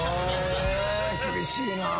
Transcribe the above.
厳しいな。